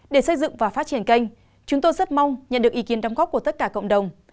để xây dựng và phát triển kênh chúng tôi rất mong nhận được ý kiến đóng góp của tất cả cộng đồng